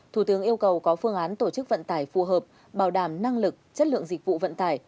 thủ tướng yêu cầu có phương án tổ chức vận tải phù hợp bảo đảm năng lực chất lượng dịch vụ vận tải